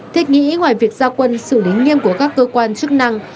thích nghĩ ngoài việc ra quân xử lý nghiêm của các cơ quan chức năng